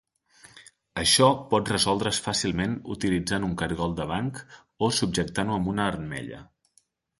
Això pot resoldre's fàcilment utilitzant un cargol de banc o subjectant-ho amb una armella.